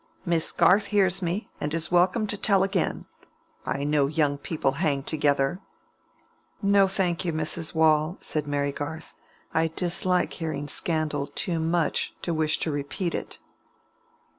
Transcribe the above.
Miss Garth hears me, and is welcome to tell again. I know young people hang together." "No, thank you, Mrs. Waule," said Mary Garth. "I dislike hearing scandal too much to wish to repeat it."